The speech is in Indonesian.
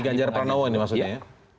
ganjar pranowo ini maksudnya ya